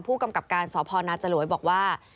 ผู้กำกับการสพนาจรวยบอกว่า